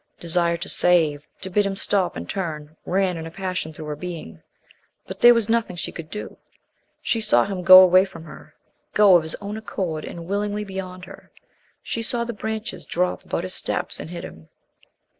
Desire to save, to bid him stop and turn, ran in a passion through her being, but there was nothing she could do. She saw him go away from her, go of his own accord and willingly beyond her; she saw the branches drop about his steps and hid him.